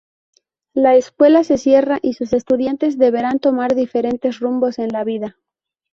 La escuela se cierra, y sus estudiantes deberán tomar diferentes rumbos en la vida.